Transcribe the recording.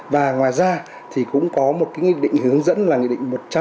và ngoài ra thì cũng có một cái nghị định hướng dẫn là nghị định một trăm linh